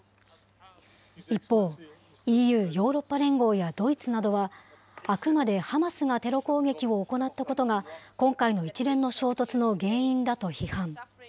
一方、ＥＵ・ヨーロッパ連合やドイツなどは、あくまでハマスがテロ攻撃を行ったことが今回の一連の衝突の原因だと批判。